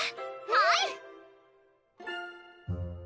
はい！